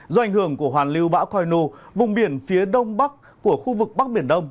do ảnh hưởng của hoàn lưu bão khoai nu vùng biển phía đông bắc của khu vực bắc biển đông